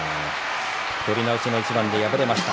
取り直しの一番で敗れました。